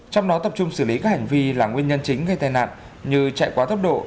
trong đó tập trung xử lý các hành vi là nguyên nhân chính gây tai nạn như chạy quá tốc độ